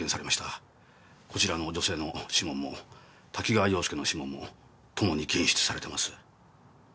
こちらの女性の指紋も多岐川洋介の指紋もともに検出されてます。